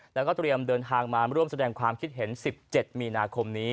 แล้วก็เตรียมเดินทางมาร่วมแสดงความคิดเห็น๑๗มีนาคมนี้